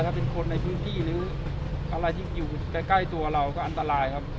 ถ้าเป็นคนในพื้นที่หรืออะไรที่อยู่ใกล้ตัวเราก็อันตรายครับ